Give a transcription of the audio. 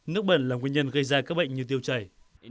nước bẩn là nguyên nhân gây ra các bệnh như tiêu chảy